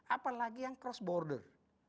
apalagi yang cross border